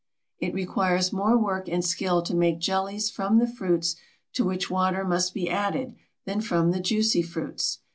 It requires more work and skill to make jellies from the fruits to which water must be added than from the juicy fruits.